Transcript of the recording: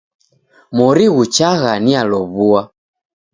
Mori ghuchagha nialow'ua.